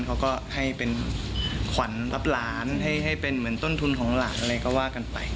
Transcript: เขาก็ให้เป็นขวัญรับหลานให้เป็นเหมือนต้นทุนของหลานอะไรก็ว่ากันไป